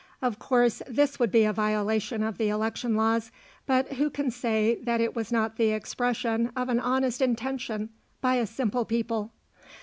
Of course, this would be a violation of the election laws, but who can say that it was not the expression of an honest intention by a simple people.